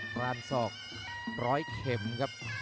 รานศอกร้อยเข็มครับ